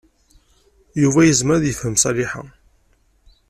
Yuba yezmer ad yefhem Ṣaliḥa.